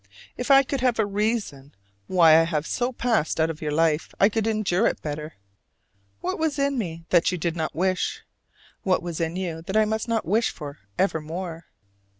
If I could have a reason why I have so passed out of your life, I could endure it better. What was in me that you did not wish? What was in you that I must not wish for evermore?